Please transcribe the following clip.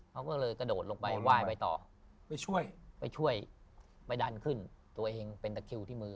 เขาก็เลยกระโดดลงไปไหว้ไปต่อไปช่วยไปช่วยไปดันขึ้นตัวเองเป็นตะคิวที่มือ